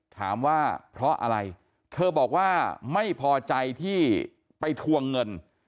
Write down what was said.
ถามว่าเพราะอะไรเธอบอกว่าไม่พอใจที่ไปทวงเงิน